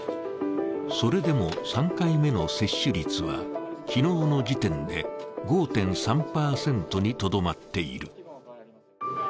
それでも３回目の接種率は、昨日の時点で５．３％にとどまっている。